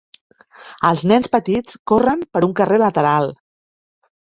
Els nens petits corrent per un carrer lateral.